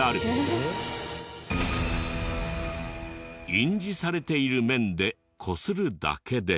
印字されている面でこするだけで。